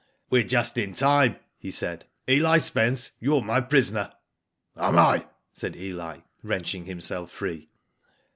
''We're just in time," he said. Eli Spence, you're my prisoner." '* Am I?" said Eli, wrenching himself free.